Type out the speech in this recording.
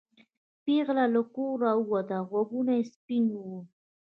پېغله له کوره راووته غوږونه سپین وو.